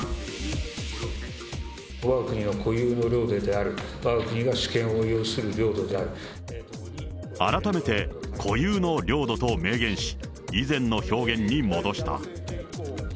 わが国の固有の領土である、改めて、固有の領土と明言し、以前の表現に戻した。